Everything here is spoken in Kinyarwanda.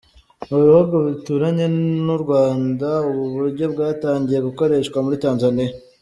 Mu bihugu bituranye n’u Rwanda ubu buryo bwatangiye gukoreshwa muri Tanzaniya.